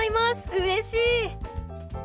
うれしい！